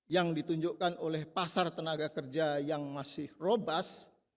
yang ditunjukkan oleh pasar tenaga kerja yang masih robas